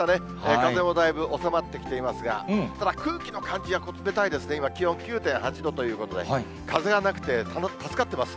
風もだいぶ収まってきていますが、ただ、空気の感じは冷たいですね、今、気温９．８度ということで、風はなくて助かってます。